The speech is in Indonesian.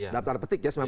dari petik ya